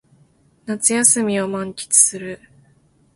夏休みを満喫する